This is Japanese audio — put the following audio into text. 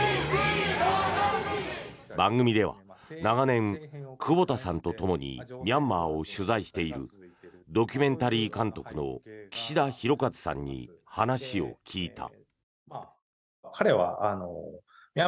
番組では長年、久保田さんとともにミャンマーを取材しているドキュメンタリー監督の岸田浩和さんに話を聞いた。